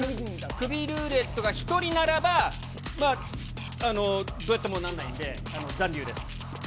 クビルーレットが１人ならば、まあ、どうやってもなんないんで、残留です。